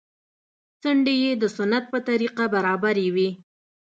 څنډې يې د سنت په طريقه برابرې وې.